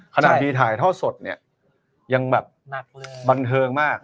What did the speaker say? ขนาดที่ถ่ายเท่าสดเนี่ยยังแบบบันเทิงมาก